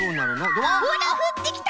ほらふってきた！